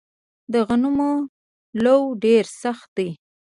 د غنمو لوو ډیر سخت دی